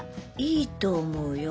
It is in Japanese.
いいと思うよ。